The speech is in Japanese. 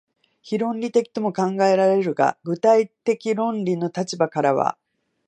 非論理的とも考えられるが、具体的論理の立場からは、